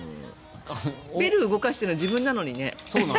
ベルを動かしてるのは自分なのにね。